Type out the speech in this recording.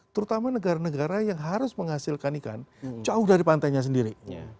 terutama negara negara yang harus menghasilkan ikan jauh dari pantainya sendiri